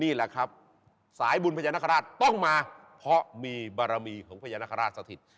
นี่แหละครับสายบุญพญานาคาราชต้องมาเพราะมีบารมีของพญานาคาราชสถิต